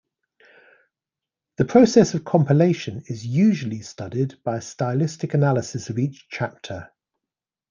The process of compilation is usually studied by stylistic analysis of each chapter.